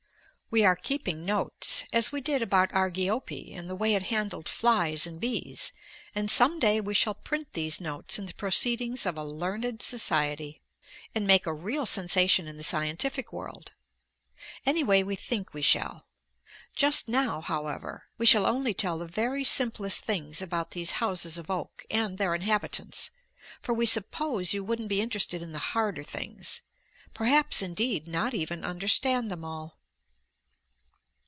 We are keeping notes, as we did about Argiope and the way it handled flies and bees, and some day we shall print these notes in the proceedings of a learned society, and make a real sensation in the scientific world. Anyway we think we shall. Just now, however, we shall only tell the very simplest things about these houses of oak and their inhabitants, for we suppose you wouldn't be interested in the harder things; perhaps, indeed, not even understand them all.